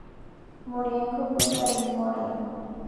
Murió en Cúcuta el mismo año.